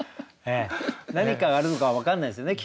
何かがあるのか分かんないですよね。